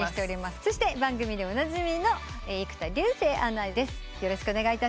そして番組でおなじみの生田竜聖アナです。